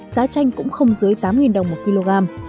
giá chanh cũng không dưới tám đồng một kg